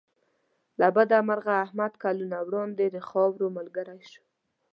له بده مرغه احمد کلونه وړاندې د خاورو ملګری شو.